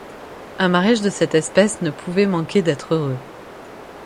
Un mariage de cette espèce ne pouvait manquer d'être heureux.